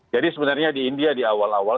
jadi sebenarnya di india di awal awal